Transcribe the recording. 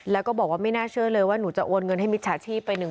แล้วก็บอกว่าไม่น่าเชื่อเลยว่าหนูจะโอนเงินให้มิจฉาชีพไปหนึ่ง